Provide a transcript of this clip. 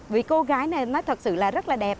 vì cô gái này nó thật sự là rất là đẹp